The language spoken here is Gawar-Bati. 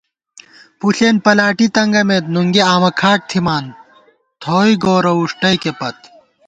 پݪېن پلاٹی تنگَمېت نُنگی آمہ کھاٹ تھِمان، تھوئی گورہ وُݭٹَئیکےپت